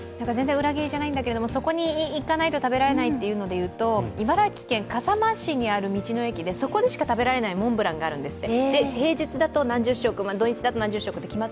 裏切りじゃないんだけどそこにいかないと食べられないっていうのでいうと茨城県笠間市にある道の駅でそこでしか食べられないモンブランがあるんですって。